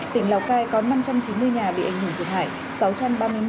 tỉnh lào cai có năm trăm chín mươi nhà bị ảnh hưởng thiệt hại